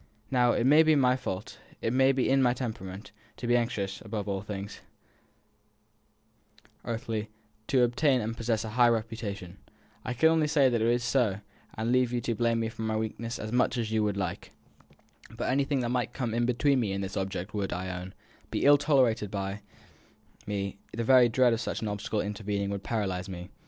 Now, it may be my fault, it may be in my temperament, to be anxious, above all things earthly, to obtain and possess a high reputation. I can only say that it is so, and leave you to blame me for my weakness as much as you like. But anything that might come in between me and this object would, I own, be ill tolerated by me; the very dread of such an obstacle intervening would paralyse me.